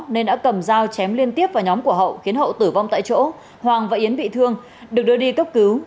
nên đã cầm dao chém liên tiếp vào nhóm của hậu khiến hậu tử vong tại chỗ hoàng và yến bị thương được đưa đi cấp cứu